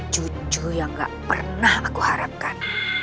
jujur yang nggak pernah aku harapkan